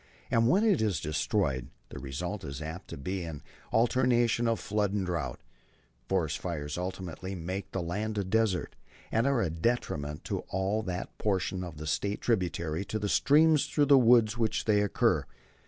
And when it is destroyed the result is apt to be an alternation of flood and drought. Forest fires ultimately make the land a desert, and are a detriment to all that portion of the State tributary to the streams through the woods where they occur.